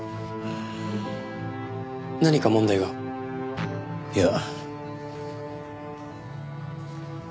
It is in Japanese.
何か問題が？いや。